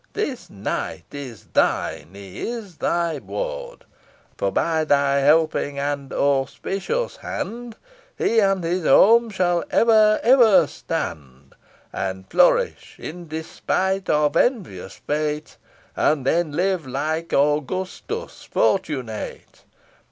This knight is thine he is thy ward, For by thy helping and auspicious hand, He and his home shall ever, ever stand And flourish, in despite of envious fate; And then live, like Augustus, fortunate.